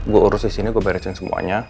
gue urus disini gue barisin semuanya